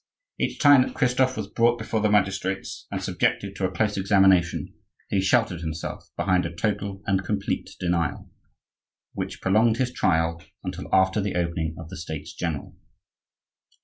Each time that Christophe was brought before the magistrates, and subjected to a close examination, he sheltered himself behind a total and complete denial, which prolonged his trial until after the opening of the States general.